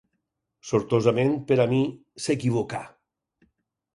Sortosament per a mi, s'equivocà